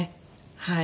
はい。